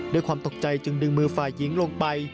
ด้วยความตกใจจึงดึงมือฝ่ายหญิงลงไป